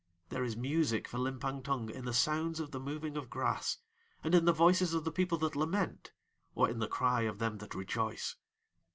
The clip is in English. There is music for Limpang Tung in the sounds of the moving of grass and in the voices of the people that lament or in the cry of them that rejoice.